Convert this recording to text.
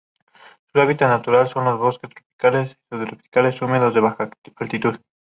Su hábitat natural son los bosques tropicales o subtropicales húmedos a baja altitud.